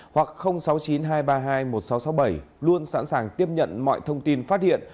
hoặc sáu mươi chín hai trăm ba mươi hai một nghìn sáu trăm sáu mươi bảy luôn sẵn sàng tiếp nhận mọi thông tin phát hiện